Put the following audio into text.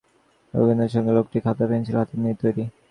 রকিবউদিনের সঙ্গের লোকটি খাতা এবং পেন্সিল হাতে তৈরি।